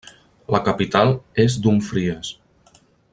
La capital és Dumfries.